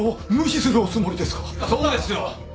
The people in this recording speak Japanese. そうですよ。